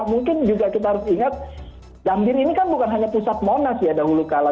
mungkin juga kita harus ingat gambir ini kan bukan hanya pusat monas ya dahulu kala